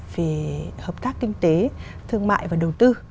về hợp tác kinh tế thương mại và đầu tư